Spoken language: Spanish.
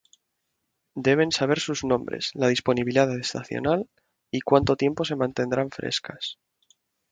Deben saber sus nombres, la disponibilidad estacional y cuánto tiempo se mantendrán frescas.